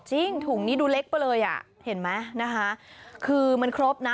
ถุงนี้ดูเล็กไปเลยอ่ะเห็นไหมนะคะคือมันครบนะ